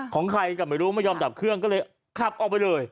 ของใครก็ไม่รู้ไม่ยอมดับเครื่องก็เลยขับออกไปเลย